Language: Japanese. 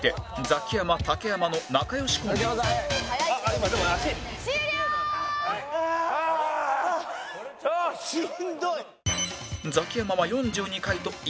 ザキヤマは４２回と今ひとつ